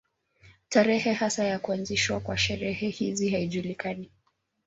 Tarehe hasa ya kuanzishwa kwa sherehe hizi haijulikani.